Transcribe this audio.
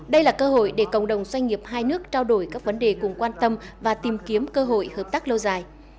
đây là cơ hội để cộng đồng doanh nghiệp hai nước trao đổi các vấn đề cùng quan tâm và tìm kiếm cơ hội hợp tác lâu dài